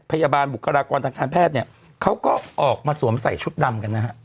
บุคลากรทางการแพทย์เนี่ยเขาก็ออกมาสวมใส่ชุดดำกันนะฮะ